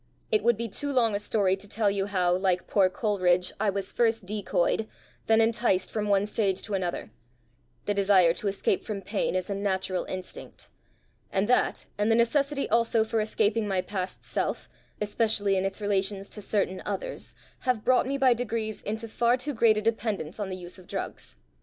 It would be too long a story to tell you how, like poor Coleridge, I was first decoyed, then enticed from one stage to another; the desire to escape from pain is a natural instinct; and that, and the necessity also for escaping my past self, especially in its relations to certain others, have brought me by degrees into far too great a dependence on the use of drugs.